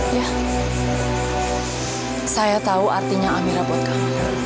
iya saya tahu artinya amira buat kamu